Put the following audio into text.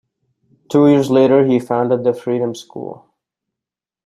Two years later he founded the Freedom School.